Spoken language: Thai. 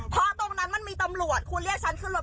เพราะตรงนั้นมันมีตำรวจคุณเรียกฉันขึ้นรถ